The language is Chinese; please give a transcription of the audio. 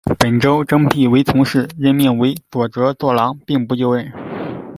本州征辟为从事，任命为佐着作郎，并不就任。